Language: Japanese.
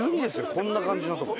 こんな感じのとこ。